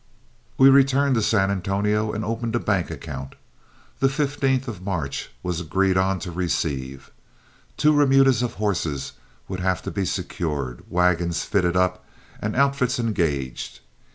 We returned to San Antonio and opened a bank account. The 15th of March was agreed on to receive. Two remudas of horses would have to be secured, wagons fitted up, and outfits engaged.